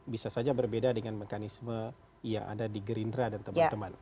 bisa saja berbeda dengan mekanisme yang ada di gerindra dan teman teman